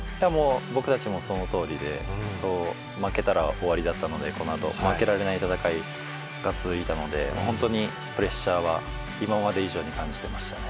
僕たちもそのとおりで負けたら終わりだったので、このあと、負けられない戦いが続いたので、本当にプレッシャーは今まで以上に感じていました。